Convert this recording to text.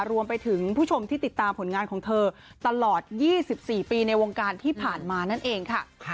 รวมไปถึงผู้ชมที่ติดตามผลงานของเธอตลอด๒๔ปีในวงการที่ผ่านมานั่นเองค่ะ